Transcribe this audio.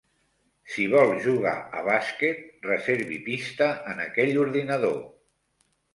Si vol jugar a bàsquet, reservi pista en aquell ordinador.